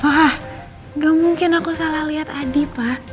pak gak mungkin aku salah liat adi pak